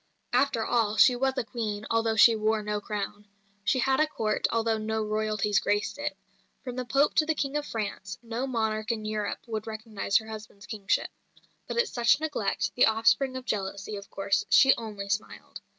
After all, she was a Queen, although she wore no crown. She had a Court, although no Royalties graced it. From the Pope to the King of France, no monarch in Europe would recognise her husband's kingship. But at such neglect, the offspring of jealousy, of course, she only smiled.